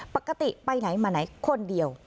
ปกติไปไหนมาไหนคนเดียว